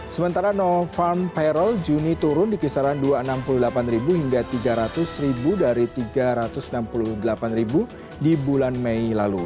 sementara no farm payrol juni turun di kisaran rp dua ratus enam puluh delapan hingga rp tiga ratus dari rp tiga ratus enam puluh delapan di bulan mei lalu